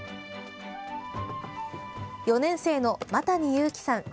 ４年生の麻谷悠貴さん。